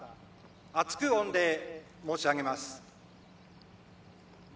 厚く御礼申し上げます。